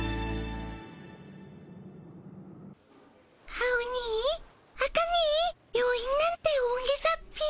アオニイアカネエ病院なんて大げさっピィ。